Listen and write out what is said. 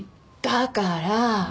だから。